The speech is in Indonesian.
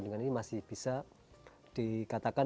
dan ini masih bisa dikatakan